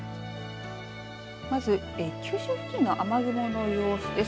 まず九州付近の雨雲の様子です。